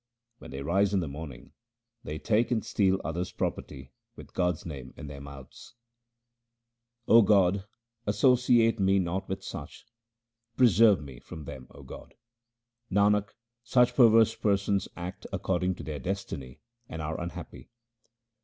When they rise in the morning, they take and steal others' property with God's name in their mouths. HYMNS OF GURU RAM DAS 343 O God, associate me not with such ; preserve me from them, O God. Nanak, such perverse persons act according to their destiny and are unhappy.